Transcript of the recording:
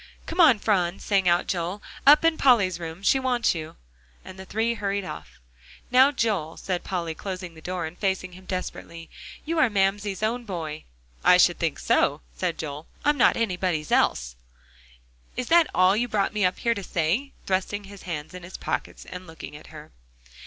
"Come on, Phron," sang out Joel, "up in Polly's room she wants you," and the three hurried off. "Now, Joel," said Polly, closing the door and facing him desperately, "you are Mamsie's own boy." "I should think so," said Joel, "I'm not anybody's else. Is that all you brought me up here to say?" thrusting his hands in his pockets and looking at her.